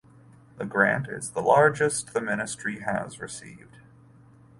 The grant is the largest the ministry has received.